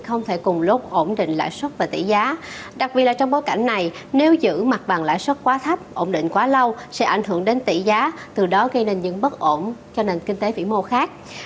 ông nghĩ sao về điều này ạ